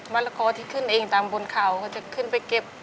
ละกอที่ขึ้นเองตามบนเขาก็จะขึ้นไปเก็บ